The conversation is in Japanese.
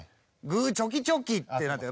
グーチョキチョキってなって。